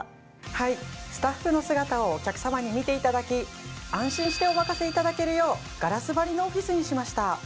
はいスタッフの姿をお客さまに見ていただき安心してお任せいただけるようガラス張りのオフィスにしました。